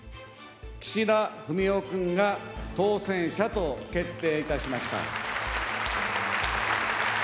岸田文雄君が当選者と決定いたしました。